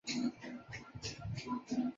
红磡站。